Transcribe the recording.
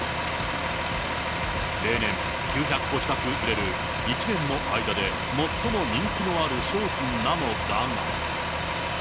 例年、９００個近く売れる１年の間で最も人気のある商品なのだが。